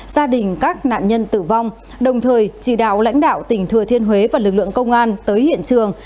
gia đình các nạn nhân tử vong đồng thời chỉ đạo lãnh đạo tỉnh thừa thiên huế và lực lượng công an tới hiện trường